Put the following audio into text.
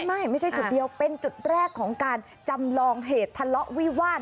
ไม่ใช่จุดเดียวเป็นจุดแรกของการจำลองเหตุทะเลาะวิวาส